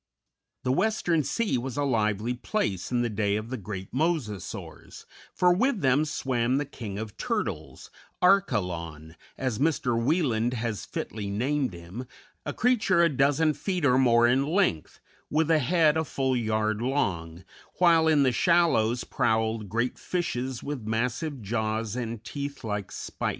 The western sea was a lively place in the day of the great Mosasaurs, for with them swam the king of turtles, Archelon, as Mr. Wieland has fitly named him, a creature a dozen feet or more in length, with a head a full yard long, while in the shallows prowled great fishes with massive jaws and teeth like spikes.